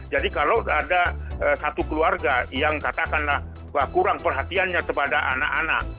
jadi kalau ada satu keluarga yang katakanlah kurang perhatiannya kepada anak anak